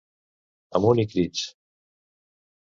Amunt i crits!